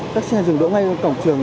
các xe dừng đỗ ngay cổng trường